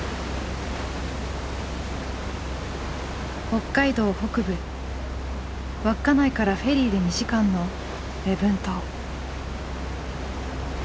北海道北部稚内からフェリーで２時間の礼文島。